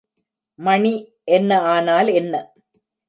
மணி என்ன ஆனால் என்ன?